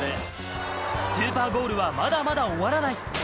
スーパーゴールはまだまだ終わらない。